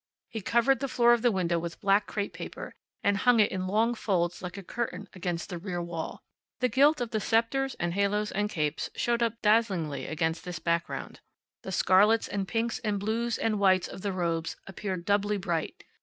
He covered the floor of the window with black crepe paper, and hung it in long folds, like a curtain, against the rear wall. The gilt of the scepters, and halos, and capes showed up dazzlingly against this background. The scarlets, and pinks, and blues, and whites of the robes appeared doubly bright.